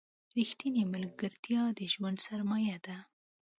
رښتینې ملګرتیا د ژوند سرمایه ده.